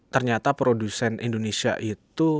ternyata produsen indonesia itu